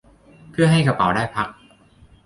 เพื่อให้กระเป๋าได้พัก